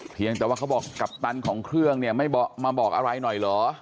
เพียงแต่ว่าเขาบอกกัปตันของเครื่องเนี่ยไม่มาบอกอะไรหน่อยเหรอ